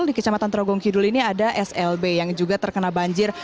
di kecamatan trogong kidul ini ada slb yang juga terkena banjir